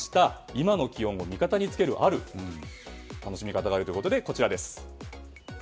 今の気温を味方につけるある楽しみ方があるということでこちらです。